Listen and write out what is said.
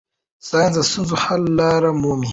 ساینس د ستونزو د حل لارې مومي.